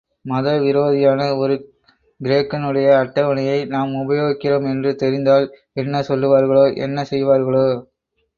மத விரோதியான ஒரு கிரேக்கனுடைய அட்டவணையை நாம் உபயோகிக்கிறோம் என்று தெரிந்தால் என்ன சொல்லுவார்களோ, என்ன செய்வார்களோ?